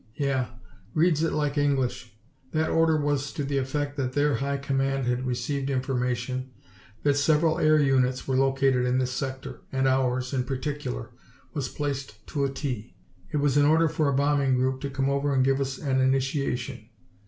"Yeah, reads it like English. That order was to the effect that their high command had received information that several air units were located in this sector, and ours, in particular, was placed to a T. It was an order for a bombing group to come over and give us an initiation.